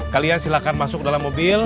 kalian silahkan masuk dalam mobil